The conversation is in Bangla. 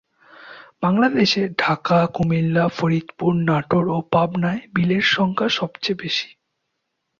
বাংলাদেশের ঢাকা, কুমিল্লা, ফরিদপুর, নাটোর ও পাবনায় বিলের সংখ্যা সবচেয়ে বেশি।